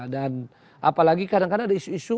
dan apalagi kadang kadang ada isu isu